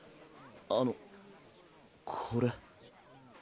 あのこれ。